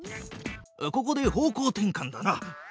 ここで方向転かんだな。